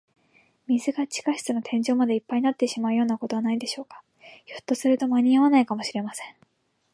水が地下室の天井までいっぱいになってしまうようなことはないでしょうか。ひょっとすると、まにあわないかもしれません。